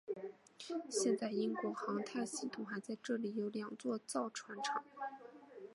现在英国航太系统还在这里有两座造船厂。